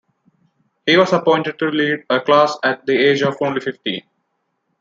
He was appointed to lead a class at the age of only fifteen.